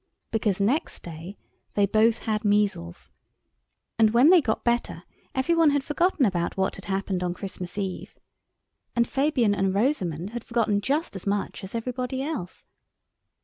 Because next day they both had measles, and when they got better every one had forgotten about what had happened on Christmas Eve. And Fabian and Rosamund had forgotten just as much as everybody else.